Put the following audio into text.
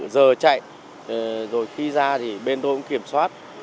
giờ chạy rồi khi ra thì bên tôi cũng kiểm soát